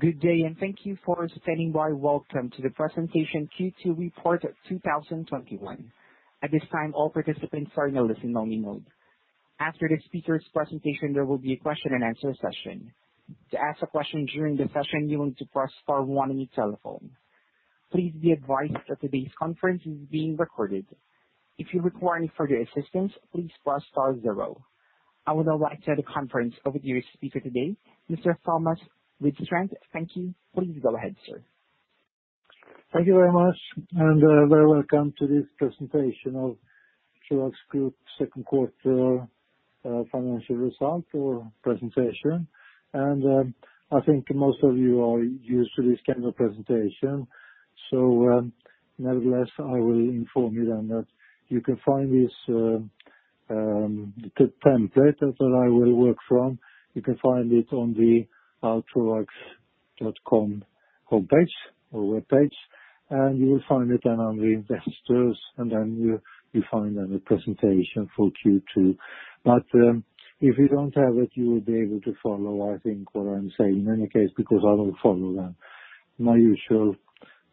Good day, and thank you for standing by. Welcome to the presentation Q2 Report of 2021. At this time, all participants are in a listen-only mode. After the speaker's presentation, there will be a question and answer session. To ask a question during the session, you will need to press star one on your telephone. Please be advised that today's conference is being recorded. If you require any further assistance, please press star zero. I would now like to hand the conference over to your speaker today, Mr. Thomas Widstrand. Thank you. Please go ahead, sir. Thank you very much. Very welcome to this presentation of Troax Group second quarter financial result or presentation. I think most of you are used to this kind of presentation. Nevertheless, I will inform you then that you can find this template that I will work from. You can find it on the troax.com homepage or webpage, and you will find it then under investors, and then you find then the presentation for Q2. If you don't have it, you will be able to follow, I think, what I'm saying in any case, because I will follow my usual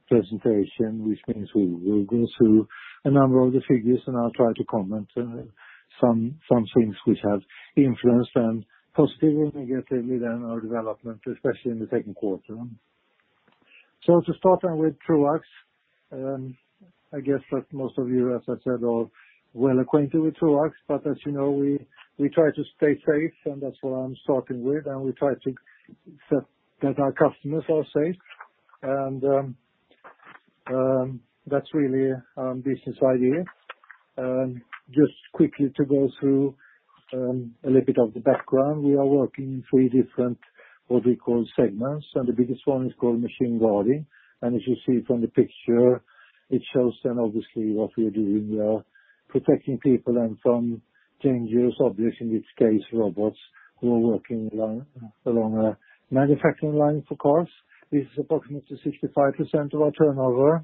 presentation, which means we will go through a number of the figures, and I'll try to comment on some things which have influenced them positively, negatively than our development, especially in the second quarter. To start then with Troax, I guess that most of you, as I said, are well acquainted with Troax, but as you know, we try to stay safe, and that's what I'm starting with, and we try to set that our customers are safe. That's really our business idea. Just quickly to go through a little bit of the background. We are working in three different, what we call segments, and the biggest one is called machine guarding. As you see from the picture, it shows then obviously what we are doing. We are protecting people and from dangerous objects, in this case, robots who are working along a manufacturing line for cars. This is approximately 65% of our turnover.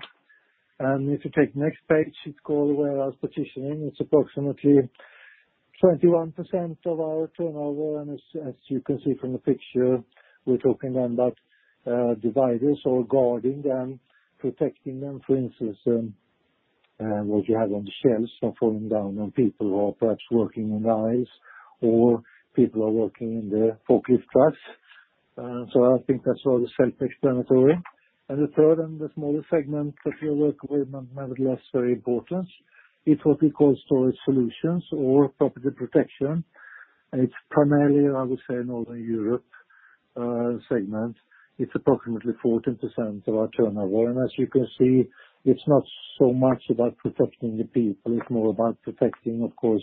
If you take next page, it's called warehouse partitioning. It's approximately 21% of our turnover. As you can see from the picture, we're talking then about dividers or guarding them, protecting them. For instance, what you have on the shelves from falling down on people who are perhaps working in the aisles or people who are working in the forklift trucks. I think that's all self-explanatory. The third and the smallest segment that we work with, nevertheless, very important, it's what we call storage solutions or Property Protection. It's primarily, I would say, in Northern Europe segment. It's approximately 14% of our turnover. As you can see, it's not so much about protecting the people. It's more about protecting, of course,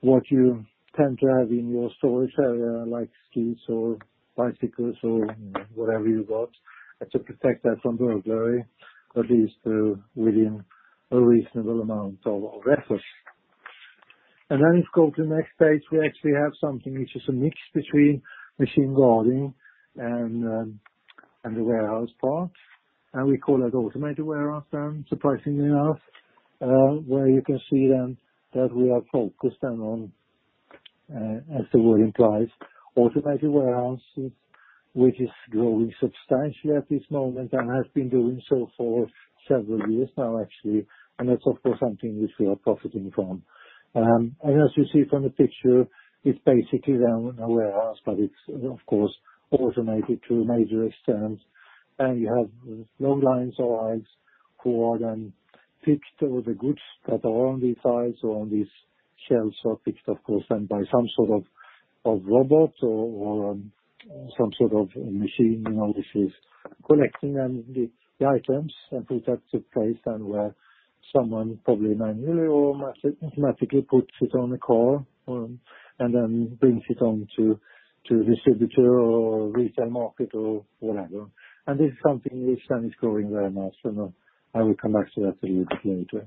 what you tend to have in your storage area, like skis or bicycles or whatever you got, and to protect that from burglary, at least within a reasonable amount of effort. Then if you go to the next page, we actually have something which is a mix between machine guarding and the warehouse part, and we call it automated warehouse, surprisingly enough, where you can see then that we are focused then on, as the word implies, automated warehouses, which is growing substantially at this moment and has been doing so for several years now actually. That's of course something which we are profiting from. As you see from the picture, it's basically then a warehouse, but it's of course automated to a major extent. You have long lines of aisles who are then picked or the goods that are on these aisles or on these shelves are picked, of course, then by some sort of robot or some sort of machine. This is collecting then the items and puts at a place then where someone probably manually or automatically puts it on a car and then brings it on to distributor or retail market or whatever. This is something which then is growing very much, and I will come back to that a little bit later.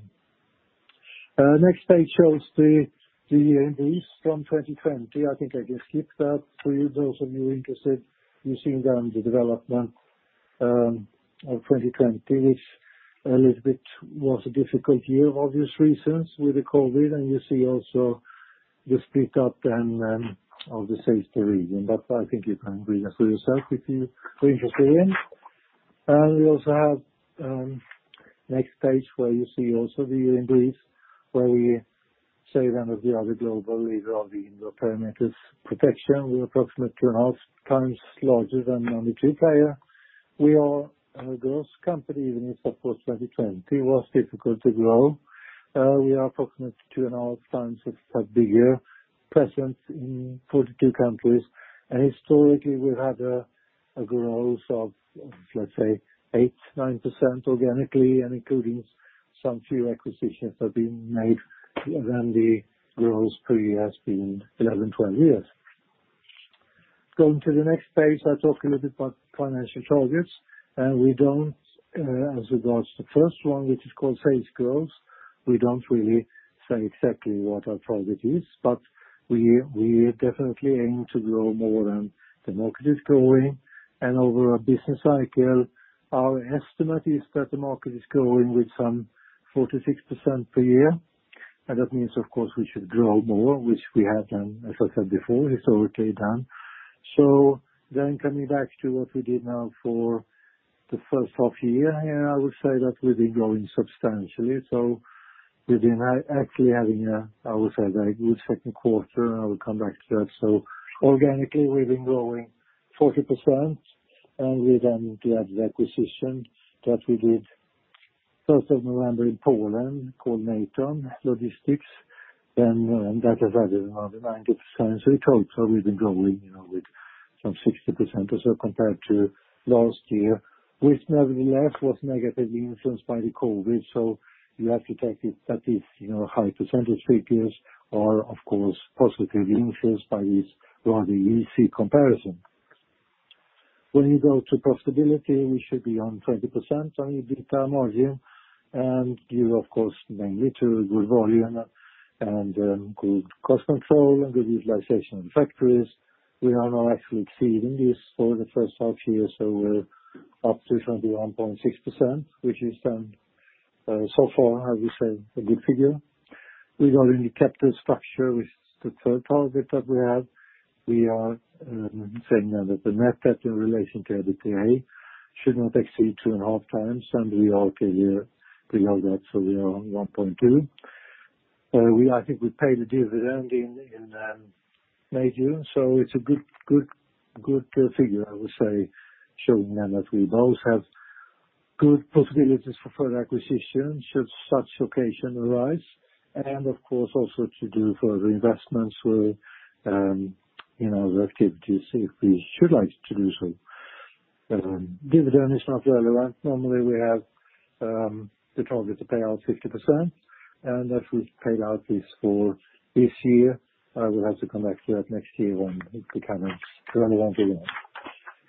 Next page shows the year-on-years from 2020. I think I can skip that. For those of you interested, you've seen then the development of 2020, which a little bit was a difficult year for obvious reasons with the COVID. You see also the split up then of the sales to region. I think you can read that for yourself if you're interested in. We also have next page where you see also the year-on-years, where we say then that we are the global leader of the indoor Property Protection. We're approximately two and a half times larger than the number two player. We are a growth company, even if of course 2020 was difficult to grow. We are approximately 2.5x of a bigger presence in 42 countries. Historically, we've had a growth of, let's say, 8%, 9% organically and including some few acquisitions that have been made, then the growth per year has been 11%, 12%. Going to the next page, I talk a little bit about financial targets. We don't, as regards to the first one, which is called sales growth, we don't really say exactly what our target is. We definitely aim to grow more than the market is growing. Over a business cycle, our estimate is that the market is growing with some 4%-6% per year. That means, of course, we should grow more, which we have done, as I said before, historically done. Coming back to what we did now for the first half year, I would say that we've been growing substantially. We've been actually having a, I would say, very good second quarter, and I will come back to that. Organically, we've been growing 40%, and we then had the acquisition that we did November 1st in Poland, called Natom Logistics. That has added another 9%. In total, we've been growing with some 60% or so compared to last year, which nevertheless was negatively influenced by the COVID. You have to take it that these high percentage figures are, of course, positively influenced by this rather easy comparison. When you go to profitability, we should be on 20% on EBITDA margin, and due of course, mainly to good volume and good cost control and good utilization of factories. We are now actually exceeding this for the first half year, so we're up to 21.6%, which is then so far, as we say, a good figure. Regarding the capital structure, which is the third target that we have, we are saying now that the net debt in relation to EBITDA should not exceed 2.5x, and we are below that, so we are on 1.2x. I think we paid the dividend in May, June. It's a good figure, I would say, showing then that we both have good possibilities for further acquisitions should such occasion arise, and of course, also to do further investments in our activities if we should like to do so. Dividend is not relevant. Normally, we have the target to pay out 50%, and if we've paid out this for this year, we'll have to come back to that next year when it becomes relevant again.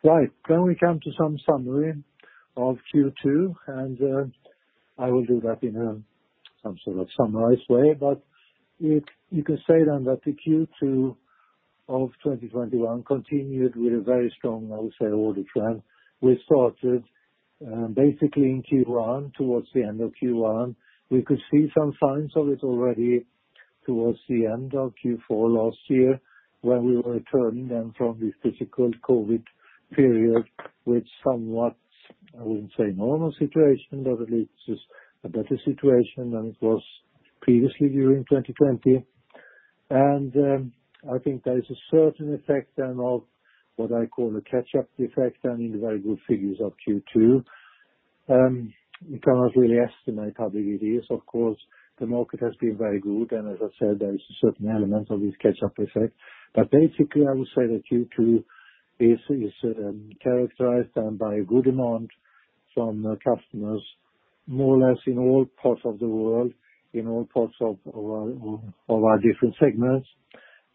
Right, we come to some summary of Q2, and I will do that in some sort of summarized way. You can say then that the Q2 of 2021 continued with a very strong, I would say, order trend. We started basically in Q1, towards the end of Q1. We could see some signs of it already towards the end of Q4 last year, when we returned then from the physical COVID period, with somewhat, I wouldn't say normal situation, but at least it's a better situation than it was previously during 2020. I think there is a certain effect then of what I call a catch-up effect on the very good figures of Q2. You cannot really estimate how big it is. Of course, the market has been very good, and as I said, there is a certain element of this catch-up effect. Basically, I would say that Q2 is characterized by good demand from customers, more or less in all parts of the world, in all parts of our different segments.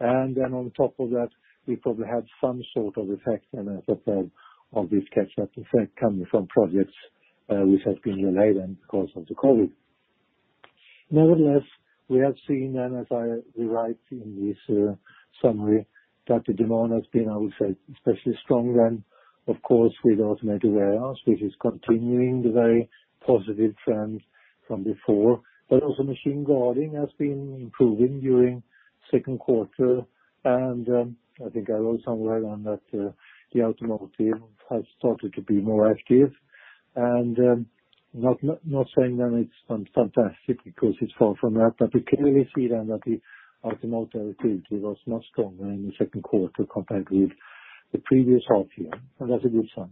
On top of that, we probably had some sort of effect then, as I said, of this catch-up effect coming from projects which have been delayed then because of the COVID. Nevertheless, we have seen then, as I write in this summary, that the demand has been, I would say, especially strong then, of course, with automated warehouse, which is continuing the very positive trend from before. Also machine guarding has been improving during second quarter. I think I wrote somewhere down that the automotive has started to be more active, and I'm not saying that it's fantastic because it's far from that. We clearly see then that the automotive activity was much stronger in the second quarter compared with the previous half year, and that's a good sign.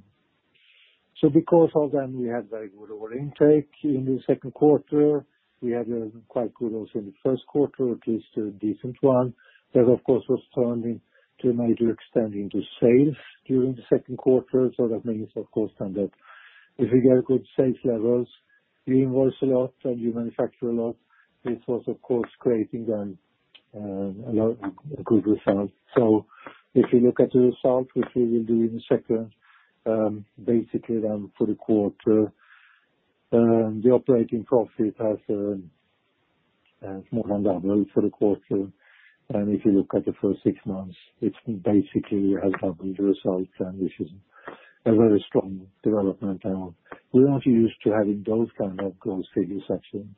Because of them, we had very good order intake in the second quarter. We had quite good also in the first quarter, at least a decent one. That, of course, was turned into a major extending to sales during the second quarter. That means, of course, then that if you get good sales levels, you invoice a lot and you manufacture a lot. This was, of course, creating then a good result. If you look at the result, which we will do in a second, basically then for the quarter, the operating profit has more than doubled for the quarter. If you look at the first six months, it basically has doubled the results, and this is a very strong development. We're not used to having those kind of growth figures, actually.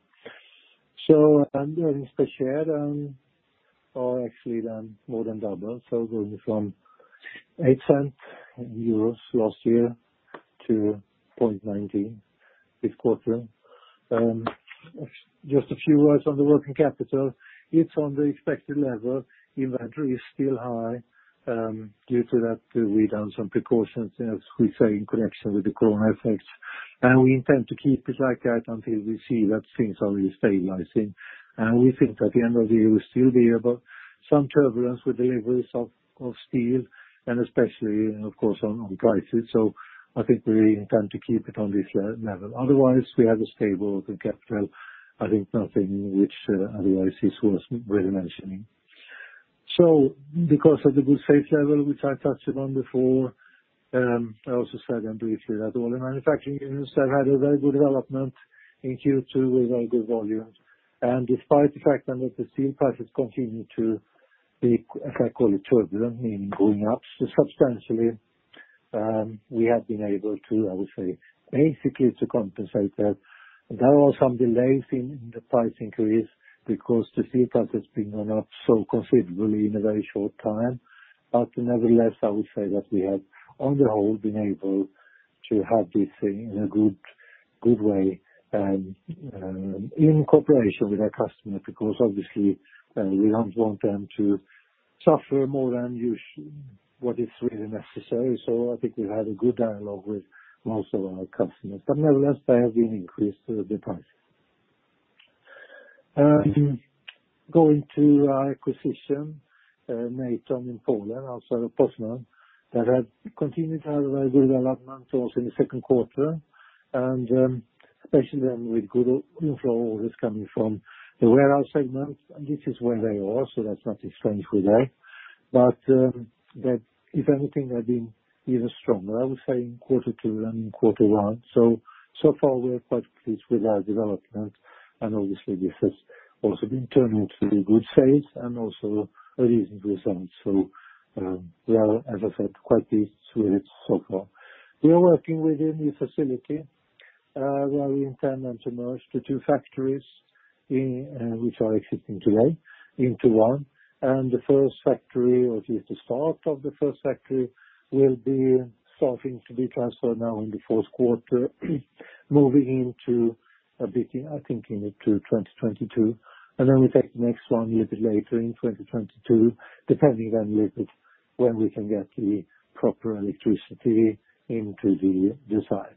Earnings per share then are actually then more than double. Going from 0.08 last year to 0.19 this quarter. Just a few words on the working capital. It's on the expected level. Inventory is still high. We've done some precautions, as we say, in connection with the COVID effect. We intend to keep it like that until we see that things are really stabilizing. We think that at the end of the year, we'll still be able. Some turbulence with deliveries of steel and especially, of course, on prices. I think we intend to keep it on this level. Otherwise, we have a stable working capital. I think nothing which otherwise is worth really mentioning. Because of the good sales level, which I touched upon before, I also said then briefly that all the manufacturing units have had a very good development in Q2 with very good volumes. Despite the fact then that the steel prices continue to be, as I call it, turbulent, meaning going up substantially. We have been able to, I would say, basically to compensate that. There are some delays in the price increase because the surplus has been gone up so considerably in a very short time. Nevertheless, I would say that we have, on the whole, been able to have this thing in a good way, in cooperation with our customers, because obviously, we don't want them to suffer more than usual, what is really necessary. I think we've had a good dialogue with most of our customers. Nevertheless, there have been increase the price. Going to our acquisition, Natom in Poland, also Poznań, that had continued to have a very good development also in the second quarter, especially then with good inflow orders coming from the warehouse segment. This is where they are, that's not strange for there. That if anything, they've been even stronger, I would say, in quarter two than in quarter one. So far we are quite pleased with our development, obviously this has also been turned into good sales and also a reasonable result. We are, as I said, quite pleased with it so far. We are working with a new facility. We are intending to merge the two factories, which are existing today, into one. The first factory, or at least the start of the first factory, will be starting to be transferred now in the fourth quarter, moving into a bit, I think, into 2022. We take the next one a little bit later in 2022, depending on when we can get the proper electricity into the site.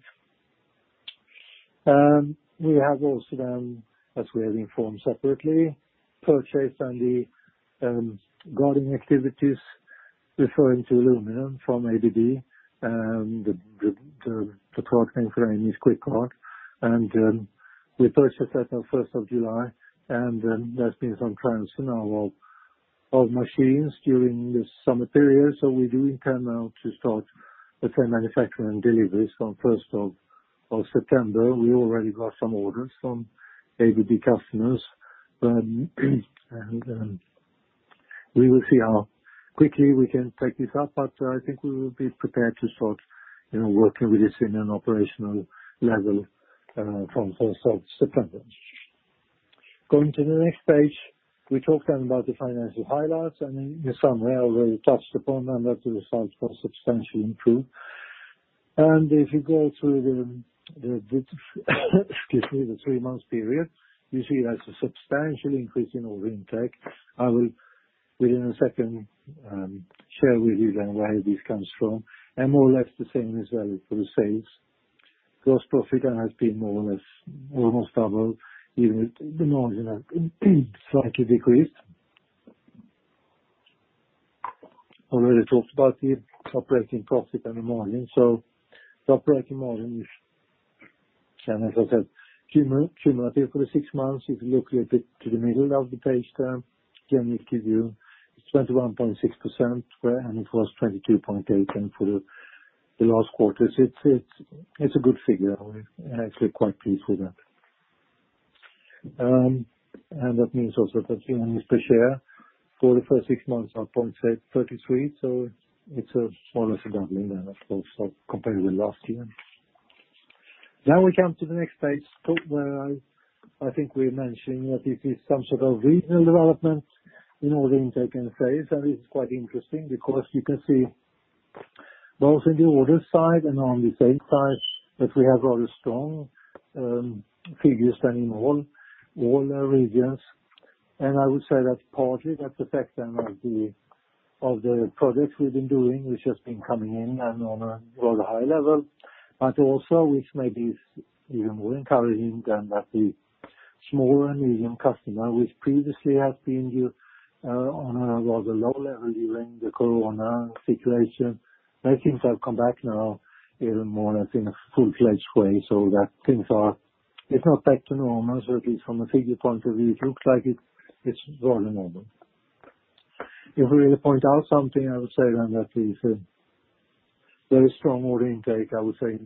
We have also then, as we have informed separately, purchased the guarding activities referring to aluminum from ABB. The product name for that is QuickGuard. We purchased that on July 1st, and there's been some transfer now of machines during the summer period. We do intend now to start the same manufacturing deliveries from September 1st. We already got some orders from ABB customers. We will see how quickly we can take this up, but I think we will be prepared to start working with this in an operational level from September 1st. Going to the next page, we talked then about the financial highlights, and in some way I already touched upon them, that the results was substantially improved. If you go through the excuse me, the three months period, you see there's a substantial increase in order intake. I will within a second share with you then where this comes from, and more or less the same is valid for the sales. Gross profit has been more or less almost double, even if the margin has slightly decreased. Already talked about the operating profit and the margin. The operating margin, and as I said, cumulative for the six months, if you look a bit to the middle of the page there, generally give you 21.6%, and it was 22.8% for the last quarter. It's a good figure. We're actually quite pleased with that. That means also that earnings per share for the first six months are 0.33, it's more or less doubling then, of course, compared with last year. We come to the next page where I think we mentioned that this is some sort of regional development in order intake and sales, and this is quite interesting because you can see both in the order side and on the sales side that we have very strong figures then in all regions. I would say that's partly the effect then of the products we've been doing, which has been coming in and on a rather high level, but also which may be even more encouraging than that the small and medium customer, which previously had been here on a rather low level during the corona situation. Now things have come back even more or less in a full-fledged way, so that things are, if not back to normal, so at least from a figure point of view, it looks like it's rather normal. If we really point out something, I would say then that is a very strong order intake, I would say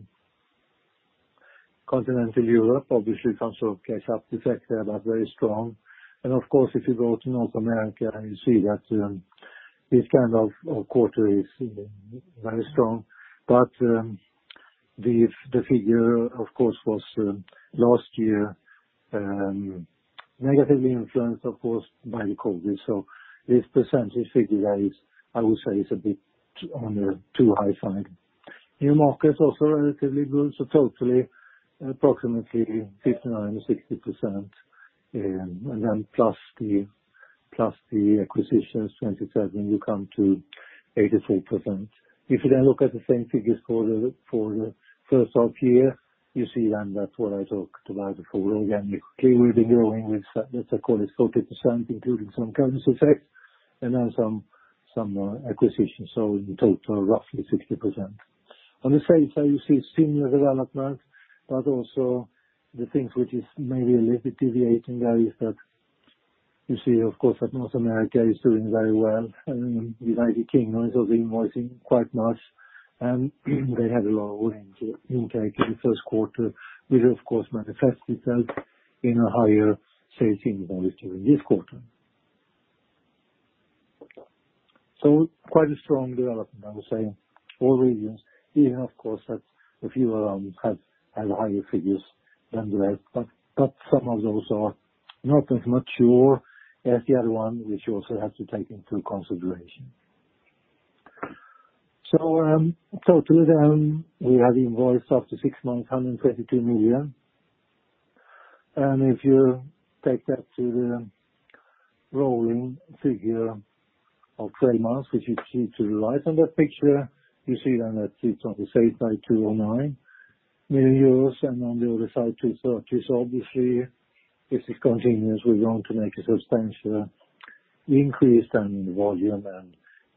continental Europe, obviously some sort of catch-up effect there, but very strong. Of course, if you go to North America and you see that this kind of quarter is very strong. The figure, of course, was last year negatively influenced, of course, by the COVID. This percentage figure is, I would say, is a bit on the too high side. New markets also relatively good. Totally approximately 59%, 60%, and then plus the acquisitions, 27%, you come to 84%. If you then look at the same figures for the first half year, you see then that's what I talked about before. Organically, we've been growing with, let's say call it 40%, including some currency effects and then some acquisitions. In total, roughly 60%. On the sales side, you see similar development, but also the things which is maybe a little bit deviating there is that you see, of course, that North America is doing very well. The United Kingdom is also increasing quite much. They had a lot of order intake in the first quarter, which of course manifests itself in a higher sales in value during this quarter. Quite a strong development, I would say, in all regions, even of course that a few of them have higher figures than the rest, but some of those are not as mature as the other one, which you also have to take into consideration. Totally, we have invoiced after six months, 132 million. If you take that to the rolling figure of three months, which you see to the right on that picture, you see then that it's on the safe side, 209 million euros, and on the other side, 230 million. Obviously, this is continuous. We're going to make a substantial increase then in volume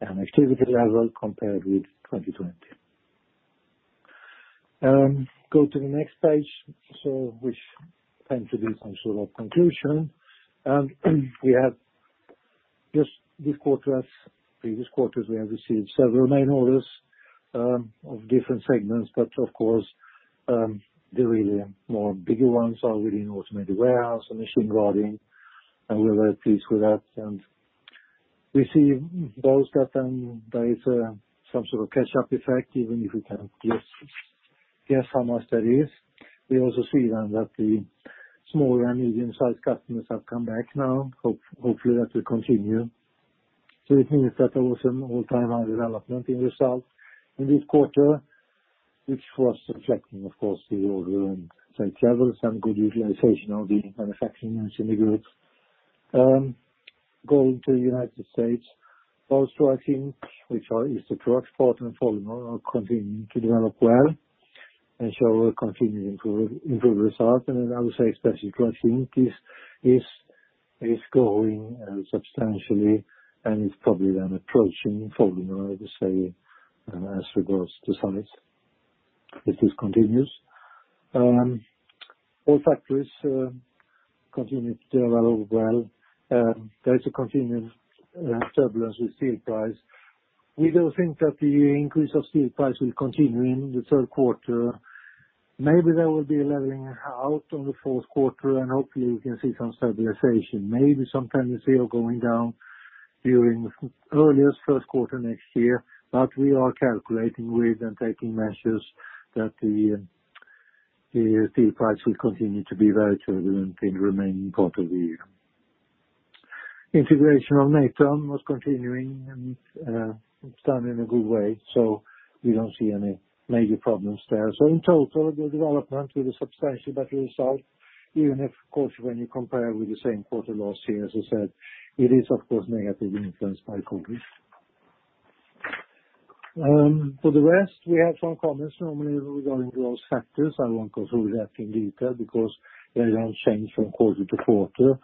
and activity level compared with 2020. Go to the next page, which tend to be some sort of conclusion. We have this quarter, previous quarters, we have received several main orders of different segments, but of course, the really more bigger ones are within automated warehouse and machine guarding. We're very pleased with that. We see those that there is some sort of catch-up effect, even if we can guess how much that is. We also see that the small and medium-sized customers have come back now. Hopefully, that will continue. It means that there was an all-time high development in result in this quarter, which was reflecting, of course, the order and site travel, some good utilization of the manufacturing and synergy effects. Going to United States, both Troax, which is the Troax Portland, Oregon, are continuing to develop well and shall continue to improve result. I would say especially Troax Inc. is growing substantially, and it's probably then approaching Folding Guard, I would say, as regards to size. This is continuous. All factories continue to develop well. There is a continuous turbulence with steel price. We do think that the increase of steel price will continue in the third quarter. Maybe there will be a leveling out on the fourth quarter, and hopefully we can see some stabilization, maybe some tendency of going down during earliest first quarter next year. We are calculating with and taking measures that the steel price will continue to be very turbulent in the remaining part of the year. Integration of Natom was continuing, and it's done in a good way, so we don't see any major problems there. In total, the development with a substantially better result, even if, of course, when you compare with the same quarter last year, as I said, it is of course, negatively influenced by COVID. For the rest, we have some comments normally regarding those factors. I won't go through that in detail because they don't change from quarter to quarter.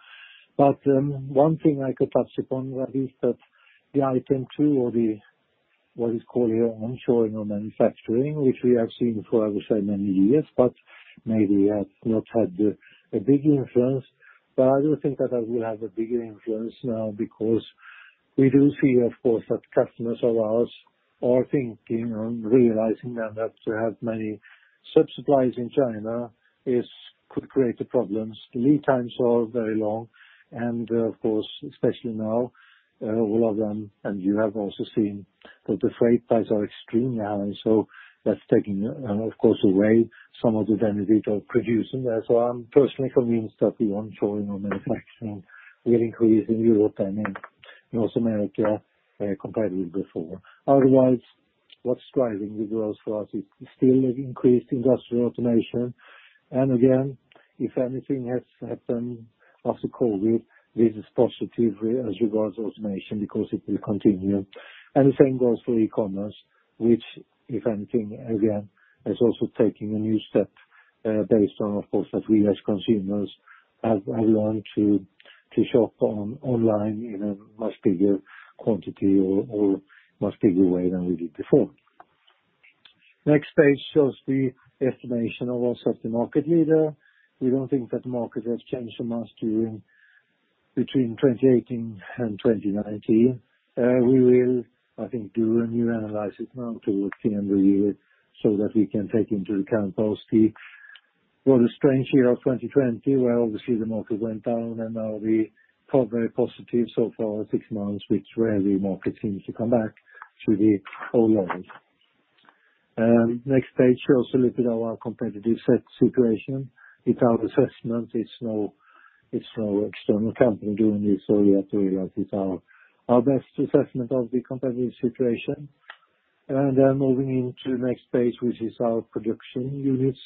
One thing I could touch upon that is that the item two or what is called here onshoring or manufacturing, which we have seen for, I would say, many years, but maybe has not had a big influence. I do think that that will have a bigger influence now because we do see, of course, that customers of ours are thinking and realizing now that to have many sub-suppliers in China could create problems. The lead times are very long, and of course, especially now, all of them, and you have also seen that the freight prices are extreme now. That's taking, of course, away some of the benefit of producing there. I'm personally convinced that the onshoring of manufacturing will increase in Europe and in North America compared with before. Otherwise, what's driving the growth for us is still increased industrial automation. Again, if anything has happened after COVID, this is positive as regards automation because it will continue. The same goes for e-commerce, which, if anything, again, is also taking a new step based on, of course, that we as consumers have learned to shop online in a much bigger quantity or much bigger way than we did before. Next page shows the estimation of us as the market leader. We don't think that market has changed so much during between 2018 and 2019. We will, I think, do a new analysis now towards the end of the year so that we can take into account, obviously, what a strange year of 2020, where obviously the market went down, and now we are very positive so far six months, which where the market seems to come back to the old level. Next page shows a little bit of our competitive set situation. It's our assessment. It's no external company doing this, so we have to realize it's our best assessment of the competitive situation. Moving into the next page, which is our production units,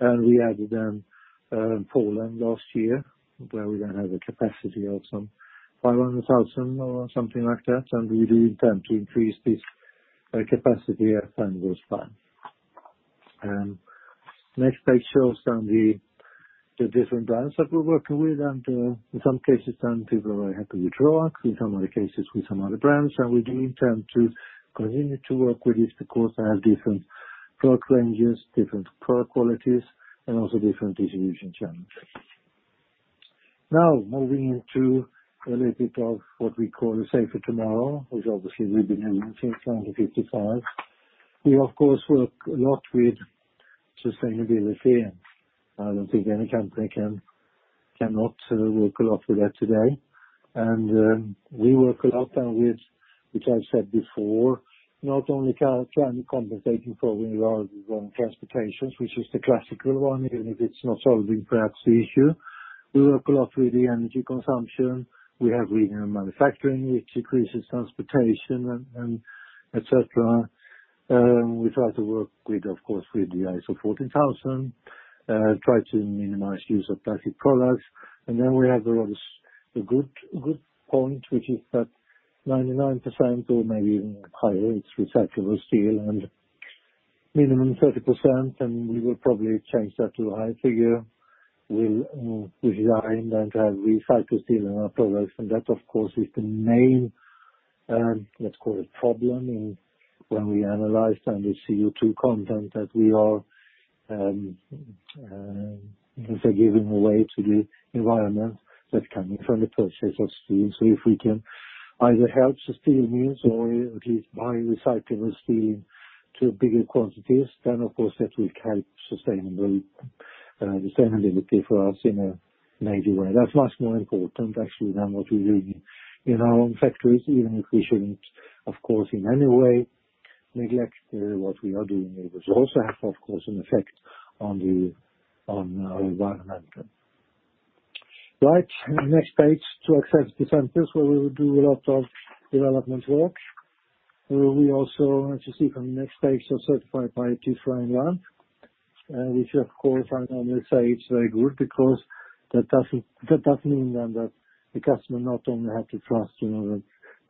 and we added in Poland last year, where we now have a capacity of some 500,000 or something like that, and we do intend to increase this capacity as time goes by. Next page shows the different brands that we're working with. In some cases, some people are very happy with Troax. In some other cases, with some other brands. We do intend to continue to work with this because they have different product ranges, different product qualities, and also different distribution channels. Now, moving into a little bit of what we call Safer Tomorrow, which obviously we've been doing since 1955. We, of course, work a lot with sustainability. I don't think any company cannot work a lot with that today. We work a lot with, which I said before, not only climate compensation program rather than transportations, which is the classical one, even if it's not solving perhaps the issue. We work a lot with the energy consumption. We have regional manufacturing, which decreases transportation, et cetera. We try to work, of course, with the ISO 14000, try to minimize use of plastic products. Then we have a good point, which is that 99% or maybe even higher, it's recyclable steel and minimum 30%, and we will probably change that to a high figure. We'll redesign and have recycled steel in our products. That, of course, is the main, let's call it, problem in when we analyzed and the CO2 content that we are giving away to the environment that's coming from the process of steel. If we can either help sustainable means or at least buying recycled steel to bigger quantities, then of course that will help sustainability for us in a major way. That's much more important actually than what we do in our own factories, even if we shouldn't, of course, in any way neglect what we are doing. It will also have, of course, an effect on our environment. Right. Next page, Troax test centers, where we do a lot of development work. We also, as you see from the next page, are certified by TÜV Rheinland, which of course I may say it's very good because that does mean then that the customer not only have to trust our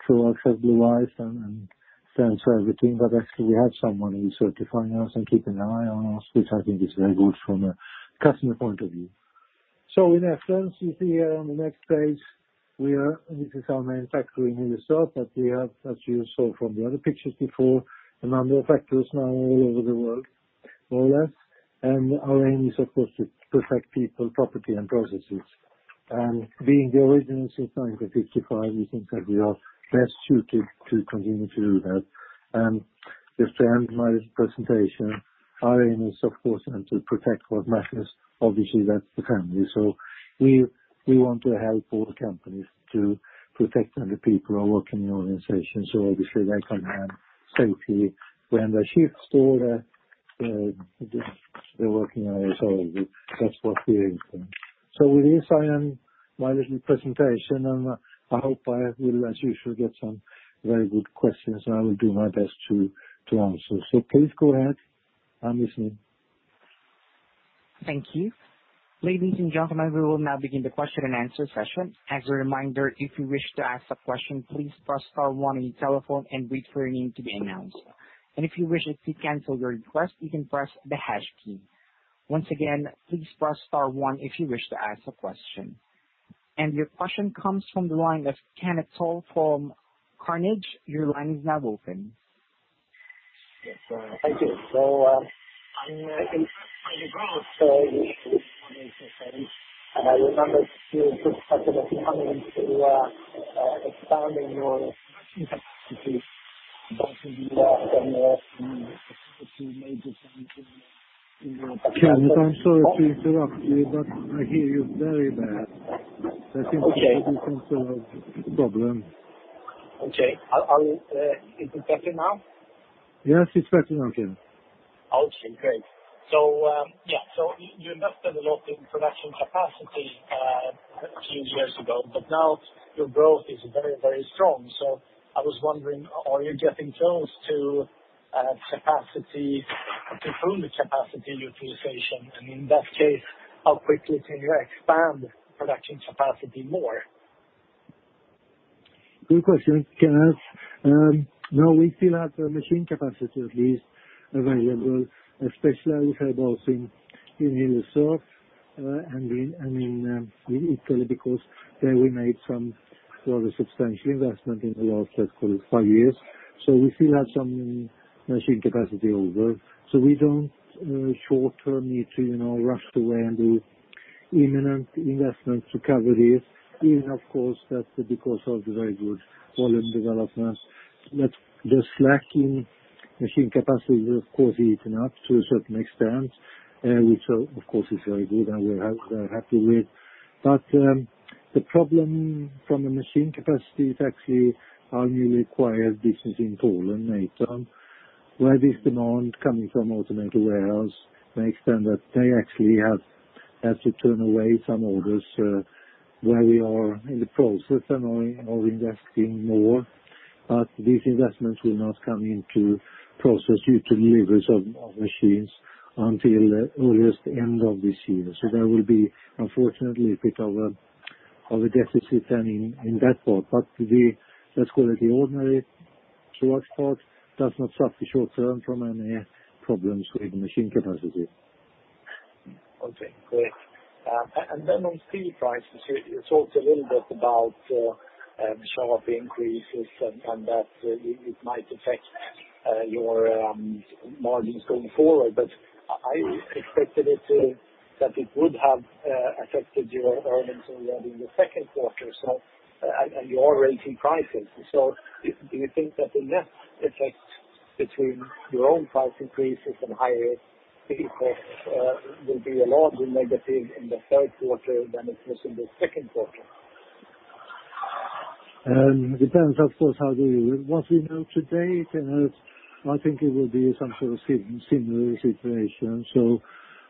Troax family life and stands for everything, but actually we have someone who's certifying us and keeping an eye on us, which I think is very good from a customer point of view. In essence, you see here on the next page, this is our main factory in Hillerstorp, but we have, as you saw from the other pictures before, a number of factories now all over the world, more or less. Our aim is, of course, to protect people, property, and processes. Being the original since 1955, we think that we are best suited to continue to do that. Just to end my presentation, our aim is, of course, to protect what matters. Obviously, that's the family. We want to help all companies to protect the people who are working in the organization. Obviously they can have safety when they shift or they're working as always. That's what we aim for. With this, I end my little presentation, and I hope I will, as usual, get some very good questions, and I will do my best to answer. Please go ahead. I'm listening. Thank you. Ladies and gentlemen, we will now begin the question and answer session. As a reminder, if you wish to ask a question, please press star one on your telephone and wait for your name to be announced. If you wish to cancel your request, you can press the hash key. Once again, please press star one if you wish to ask a question. Your question comes from the line of Kenneth Toll from Carnegie. Your line is now open. Yes. Thank you. I'm impressed by your growth and I remember you took some time to expanding your capacity both in the U.S. and also major plants in Europe. Kenneth, I'm sorry to interrupt you, but I hear you very bad. Okay. I think there's some sort of problem. Okay. Is it better now? Yes, it's better now, Kenneth. Okay, great. You invested a lot in production capacity a few years ago, but now your growth is very, very strong. I was wondering, are you getting close to capacity, full capacity utilization? In that case, how quickly can you expand production capacity more? Good question, Kenneth. No, we still have machine capacity, at least available, especially we have both in Hillerstorp and in Italy, because there we made some substantial investment in the last, let's call it, five years. We still have some machine capacity over. We don't short-term need to rush away and do imminent investments to cover this. Even, of course, that because of the very good volume development, that the slack in machine capacity will, of course, even up to a certain extent, which of course is very good and we're happy with. The problem from the machine capacity is actually our new acquired business in Poland later, where this demand coming from automated warehouse may extend that they actually have had to turn away some orders, where we are in the process and are investing more. These investments will not come into process due to deliveries of machines until earliest end of this year. There will be, unfortunately, a bit of a deficit then in that part. The, let's call it, the ordinary Troax part does not suffer short-term from any problems with machine capacity. Okay, great. On steel prices, you talked a little bit about sharp increases and that it might affect your margins going forward, but that it would have affected your earnings already in the second quarter, and you are raising prices. Do you think that the net effect between your own price increases and higher input costs will be a lot more negative in the third quarter than it was in the second quarter? It depends, of course, how they will. What we know to date, I think it will be some sort of similar situation.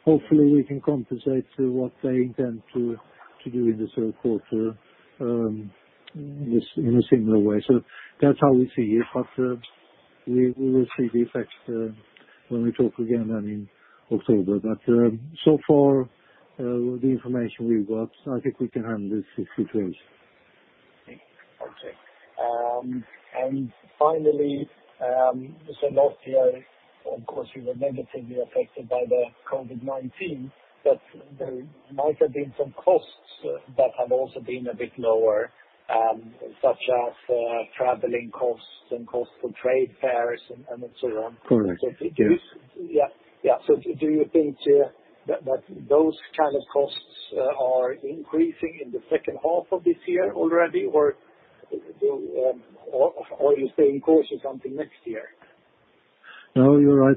Hopefully we can compensate what they intend to do in the third quarter in a similar way. That's how we see it. We will see the effects when we talk again then in October. So far, with the information we've got, I think we can handle this situation. Okay. Finally, last year, of course, you were negatively affected by the COVID-19, but there might have been some costs that have also been a bit lower, such as traveling costs and costs for trade fairs, and et cetera. Correct. Yes. Yeah. Do you think that those kind of costs are increasing in the second half of this year already, or are you staying course until next year? No, you're right.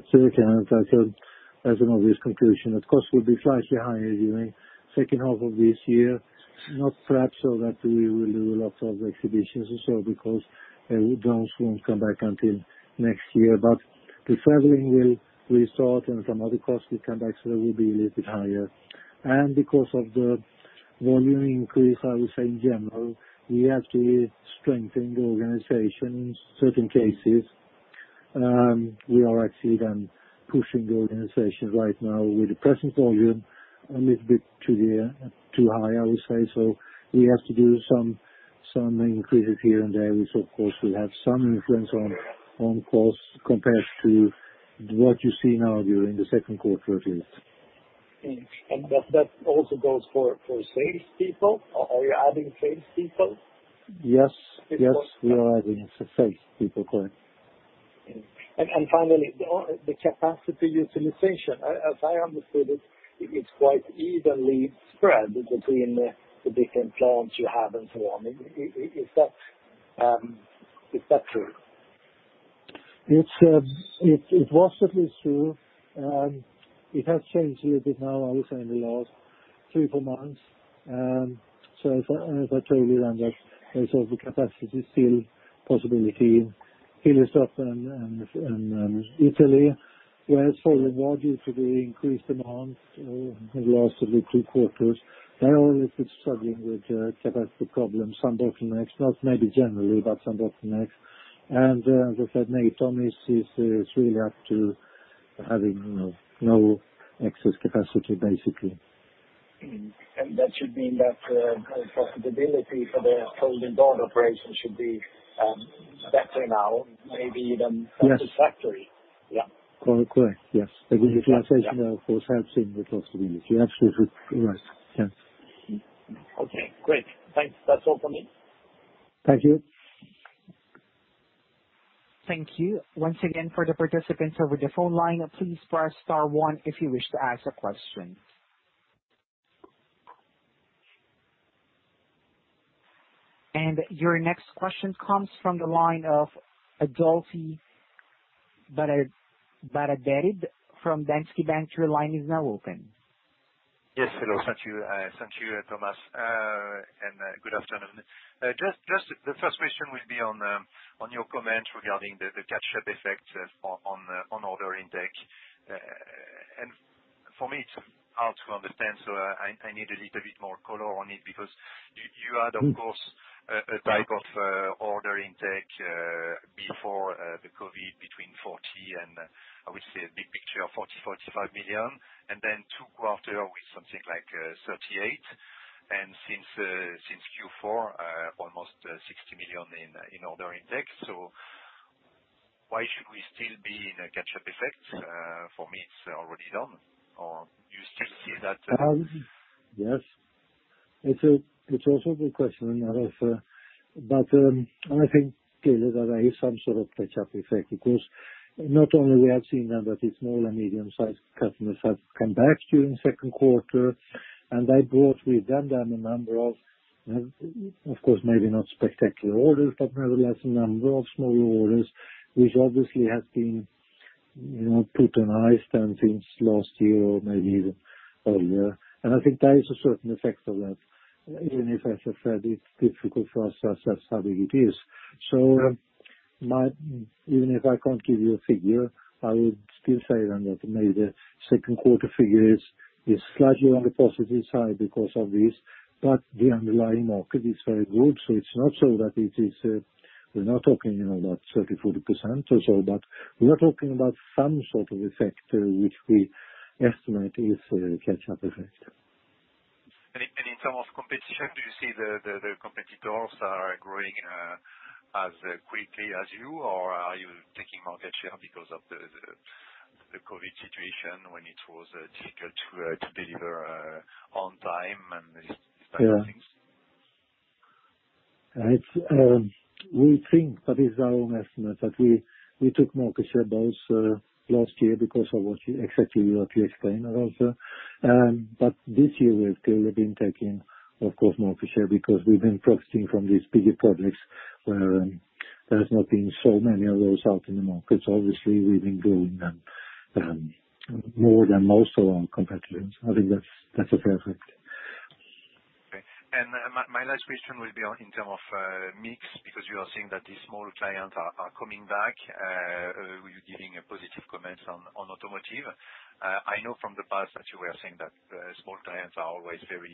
That's an obvious conclusion. Of course, we'll be slightly higher during second half of this year. Not perhaps so that we will do a lot of exhibitions and so because those won't come back until next year, but the traveling will restart and some other costs will come back, so that will be a little bit higher. Because of the volume increase, I would say in general, we have to strengthen the organization in certain cases. We are actually then pushing the organization right now with the present volume a little bit too high, I would say, so we have to do some increases here and there, which of course will have some influence on costs compared to what you see now during the second quarter at least. That also goes for salespeople? Are you adding salespeople? Yes, we are adding some salespeople. Correct. Finally, the capacity utilization. As I understood it's quite evenly spread between the different plants you have and so on. Is that true? It was at least true. It has changed a little bit now, I would say, in the last three, four months. If I tell you then that there's overcapacity still possibility in Hillerstorp and Italy, whereas for Natom due to the increased demands in the last of the three quarters, they're always struggling with capacity problems. Shanghai next, not maybe generally, but Shanghai next. As I said, maybe Natom is really up to having no excess capacity, basically. That should mean that profitability for the Folding Guard operation should be better now. Yes. satisfactory. Yeah. Correct. Yes. The utilization of course helps in the profitability. Absolutely. Correct. Yes. Okay, great. Thanks. That's all from me. Thank you. Thank you. Once again, for the participants over the phone line, please press star one if you wish to ask a question. Your next question comes from the line of Adolphe Baraderie from Danske Bank. Your line is now open. Yes. Hello. Thank you, Thomas, and good afternoon. Just the first question will be on your comment regarding the catch-up effect on order intake. For me, it's hard to understand, so I need a little bit more color on it because you had, of course. A type of order intake before the COVID between 40 million, and I would say a big picture, 40 million, 45 million, and then two quarter with something like 38 million. Since Q4, almost 60 million in order intake. Why should we still be in a catch-up effect? For me, it's already done. Do you still see that? Yes. It's also a good question, Adolphe. I think, clearly, that there is some sort of catch-up effect because not only we have seen them, but it's more the medium-sized customers have come back during second quarter, and they brought with them then a number of course, maybe not spectacular orders, but nevertheless, a number of smaller orders, which obviously has been put on ice then since last year or maybe even earlier. I think there is a certain effect of that, even if, as you said, it's difficult for us to assess how big it is. Even if I can't give you a figure, I would still say then that maybe the second quarter figure is slightly on the positive side because of this. The underlying market is very good, so it's not so that it is. We're not talking about 30%, 40% or so, but we are talking about some sort of effect which we estimate is a catch-up effect. In terms of competition, do you see the competitors are growing as quickly as you, or are you taking market share because of the COVID situation when it was difficult to deliver on time and these type of things? Right. We think that is our own estimate, that we took market share both last year because of what exactly you explained, Alexis. This year, we have clearly been taking, of course, market share because we've been profiting from these bigger projects where there has not been so many of those out in the market. Obviously, we've been growing more than most of our competitors. I think that's a fair effect. Okay. My last question will be in term of mix, because you are saying that these small clients are coming back. You are giving a positive comment on automotive. I know from the past that you were saying that small clients are always very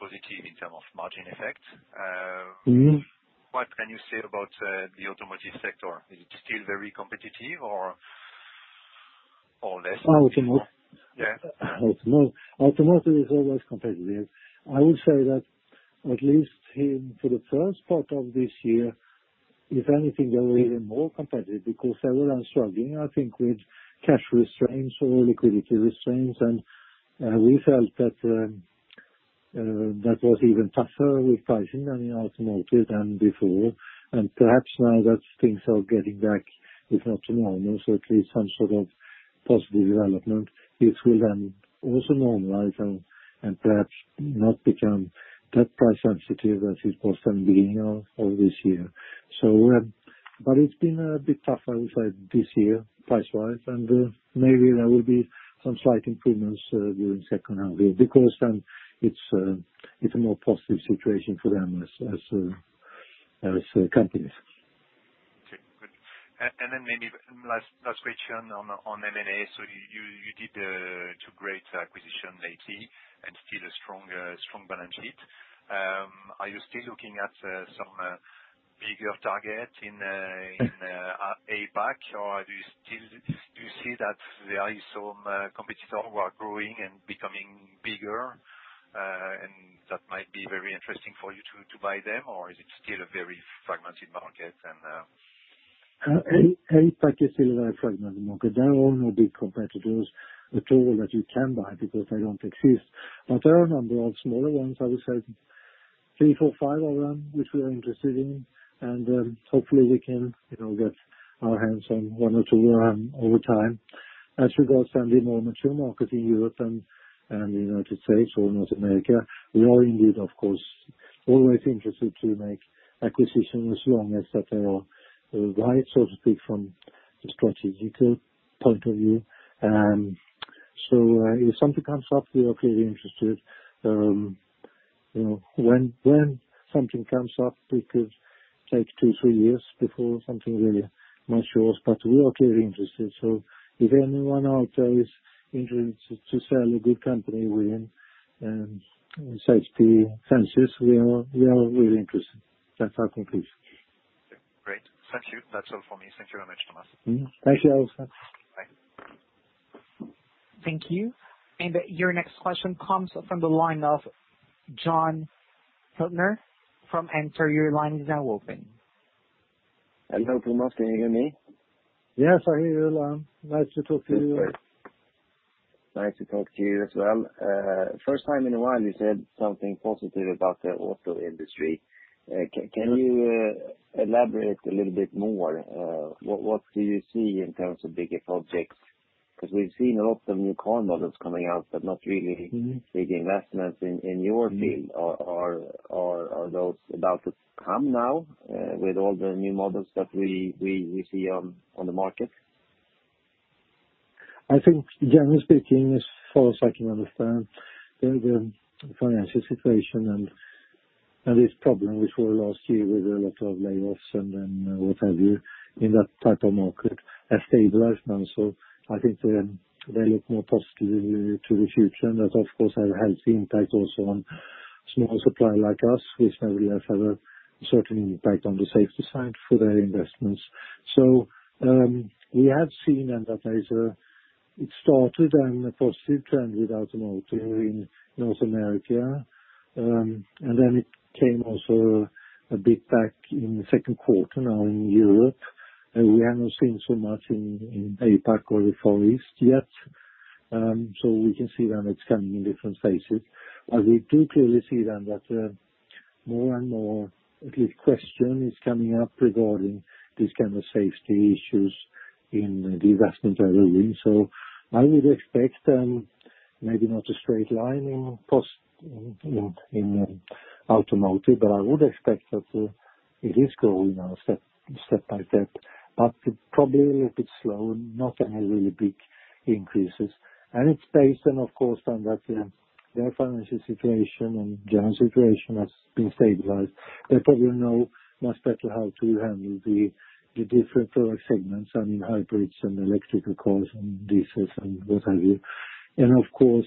positive in term of margin effect. What can you say about the automotive sector? Is it still very competitive or less? Automotive? Yeah. Automotive is always competitive. I would say that at least for the first part of this year, if anything, they were even more competitive because they were struggling, I think, with cash restraints or liquidity restraints. We felt that was even tougher with pricing in the automotive than before. Perhaps now that things are getting back, if not to normal, so at least some sort of positive development, it will then also normalize and perhaps not become that price sensitive as it was from the beginning of this year. It's been a bit tougher, I would say, this year, price-wise, and maybe there will be some slight improvements during second half year because then it's a more positive situation for them as companies. Okay, good. Maybe last question on M&A. You did two great acquisitions lately and still a strong balance sheet. Are you still looking at some bigger target in APAC? Do you see that there is some competitor who are growing and becoming bigger, and that might be very interesting for you to buy them? Is it still a very fragmented market and APAC is still a very fragmented market. There are no big competitors at all that you can buy because they don't exist. There are a number of smaller ones, I would say three, four, five of them, which we are interested in, and hopefully we can get our hands on one or two of them over time. As regards the more mature market in Europe and the U.S. or North America, we are indeed, of course, always interested to make acquisitions as long as that they are right, so to speak, from the strategical point of view. If something comes up, we are clearly interested. When something comes up, it could take two, three years before something really matures, we are clearly interested. If anyone out there is interested to sell a good company within safety fences, we are really interested. That's our conclusion. Great. Thank you. That's all for me. Thank you very much, Thomas. Thank you, Adolphe. Bye. Thank you. Your next question comes from the line of Jon Hyltner from Enter. Your line is now open. Hello, Thomas. Can you hear me? Yes, I hear you, John. Nice to talk to you. That's great. Nice to talk to you as well. First time in a while you said something positive about the auto industry. Can you elaborate a little bit more? What do you see in terms of bigger projects? We've seen a lot of new car models coming out, but not really big investments in your field. Are those about to come now with all the new models that we see on the market? I think generally speaking, as far as I can understand, the financial situation and this problem, which were last year with a lot of layoffs and then what have you in that type of market, has stabilized now. I think they look more positively to the future. That, of course, has a healthy impact also on smaller supplier like us, which maybe has had a certain impact on the safety side for their investments. We have seen, and it started on a positive trend with automotive in North America, and then it came also a bit back in the second quarter now in Europe. We have not seen so much in APAC or the Far East yet. We can see that it's coming in different phases. We do clearly see then that more and more at least question is coming up regarding this kind of safety issues in the investments that are in. I would expect maybe not a straight line in automotive, but I would expect that it is growing now step by step, but probably a little bit slow, not any really big increases. It's based then, of course, on their financial situation and general situation has been stabilized. They probably know much better how to handle the different segments, hybrids and electrical cars and diesels and what have you. Of course,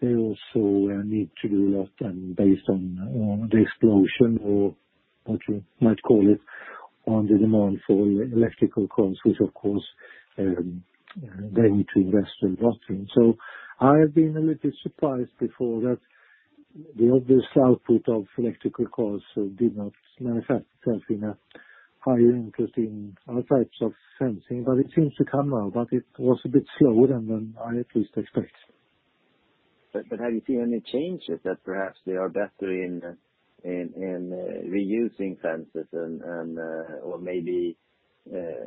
they also need to do a lot based on the explosion, or what you might call it, on the demand for electrical cars, which of course, they need to invest a lot in. I've been a little surprised before that the obvious output of electrical cars did not manifest itself in, "Are you interested in other types of fencing?" It seems to come now, but it was a bit slower than I at least expect. Have you seen any changes that perhaps they are better in reusing fences or maybe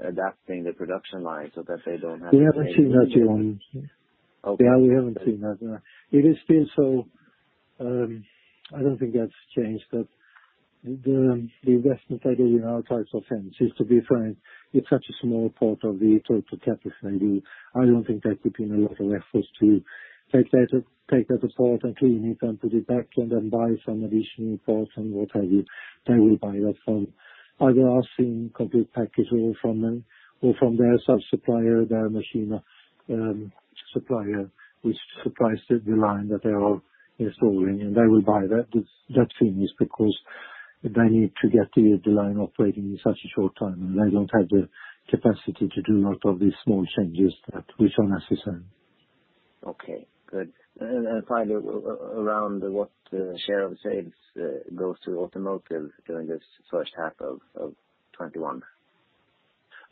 adapting the production line? We haven't seen that yet. Okay. Yeah, we haven't seen that. I don't think that's changed, that the investment they did in our types of fences, to be frank, it's such a small part of the total capital spending. I don't think they put in a lot of efforts to take that apart and clean it and put it back, and then buy some additional parts and what have you. They will buy that from either us in complete packages or from their sub-supplier, their machine supplier, which supplies the line that they are installing, and they will buy that. That thing is because they need to get the line operating in such a short time, and they don't have the capacity to do a lot of these small changes that we sometimes design. Okay, good. Finally, around what share of sales goes to automotive during this first half of 2021?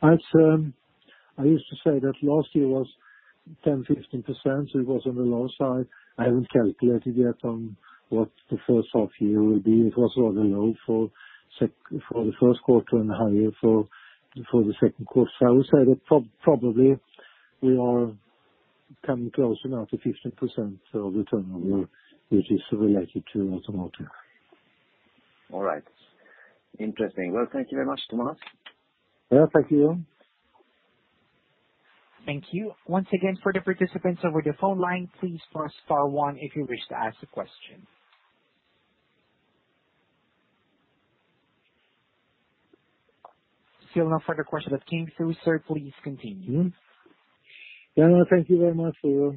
I used to say that last year was 10%-15%, so it was on the low side. I haven't calculated yet on what the first half year will be. It was rather low for the first quarter and higher for the second quarter. I would say that probably we are coming close now to 15% of the turnover, which is related to automotive. All right. Interesting. Well, thank you very much, Thomas. Yeah, thank you. Thank you. Once again, for the participants over the phone line, please press star one if you wish to ask a question. Still no further question that came through, sir, please continue. Yeah. Thank you very much for your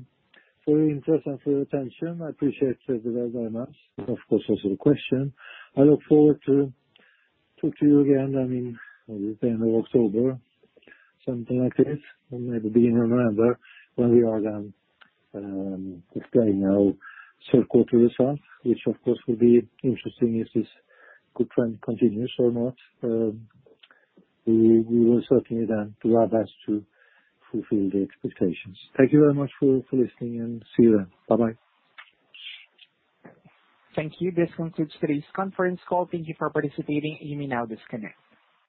interest and for your attention. I appreciate it very much. Of course, also the question. I look forward to talk to you again, maybe end of October, something like this, or maybe beginning of November, when we are then explaining our third quarter results, which, of course, will be interesting if this good trend continues or not. We will certainly then do our best to fulfill the expectations. Thank you very much for listening and see you then. Bye-bye. Thank you. This concludes today's conference call. Thank you for participating. You may now disconnect.